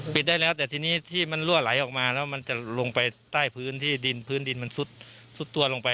ได้แล้วแต่ทีนี้ที่มันรั่วไหลออกมาแล้วมันจะลงไปใต้พื้นที่ดินพื้นดินมันซุดตัวลงไป